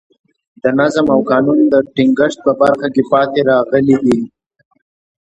د نظم او قانون د ټینګښت په برخه کې پاتې راغلي دي.